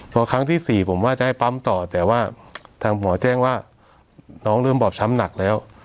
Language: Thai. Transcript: พอครั้งที่๔ผมว่าจะให้ปั๊มต่อแต่ว่าทางหมอแจ้งว่าน้องเริ่มบอบช้ำหนักแล้ว